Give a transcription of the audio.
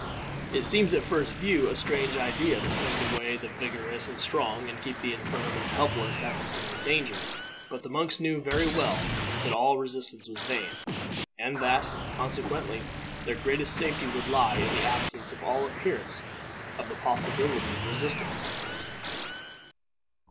It seems at first view a strange idea to send away the vigorous and strong, and keep the infirm and helpless at the scene of danger; but the monks knew very well that all resistance was vain, and that, consequently, their greatest safety would lie in the absence of all appearance of the possibility of resistance.